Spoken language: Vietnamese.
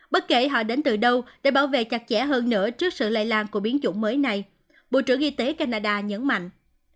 bất kể họ đến từ đâu để bảo vệ chặt chẽ hơn nữa trước sự lây lan của biến chủng mới này bộ trưởng y tế canada nhấn mạnh